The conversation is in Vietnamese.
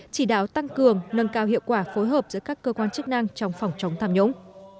chỉ đạo tăng cường nâng cao hiệu quả phối hợp giữa các cơ quan chức năng trong phòng chống tham nhũng